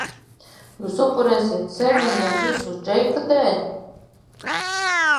Jūs upurēsiet sevi un mūs visus Džeika dēļ?